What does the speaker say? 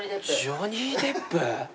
ジョニー・デップ？